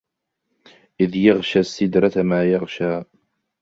إِذْ يَغْشَى السِّدْرَةَ مَا يَغْشَى